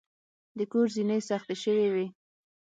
د کور زینې سختې شوې وې.